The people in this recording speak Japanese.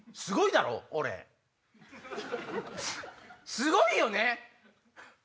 すごいよね？